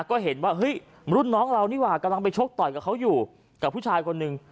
ก็เห็นว่าเฮ้ยรุ่นน้องเรานี่ว่ากำลังไปชกต่อยกับเขาอยู่กับผู้ชายคนหนึ่ง